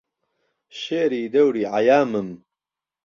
شێری دهوری عهیامم